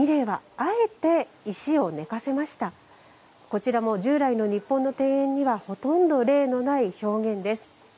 こちらも従来の日本の庭園にはほとんど例のない表現です。